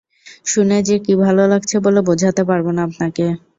শুনে যে কী ভালো লাগছে বলে বোঝাতে পারব না আপনাকে!